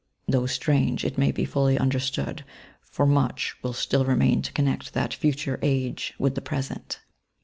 Though strange, it may be fully understood, for much will still remain to connect that future age with the present.